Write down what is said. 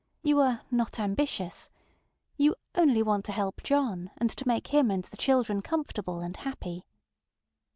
You ŌĆ£are not ambitious; ŌĆØ you ŌĆ£only want to help John, and to make him and the children comfortable and happy.